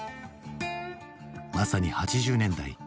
まさに８０年代。